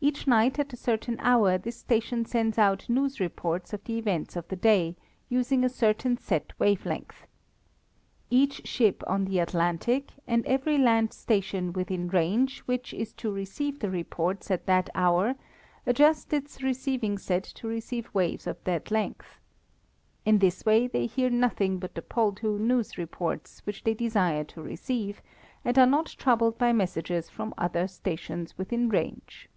Each night at a certain hour this station sends out news reports of the events of the day, using a certain set wave length. Each ship on the Atlantic and every land station within range which is to receive the reports at that hour adjusts its receiving set to receive waves of that length. In this way they hear nothing but the Poldhu news reports which they desire to receive, and are not troubled by messages from other stations within range.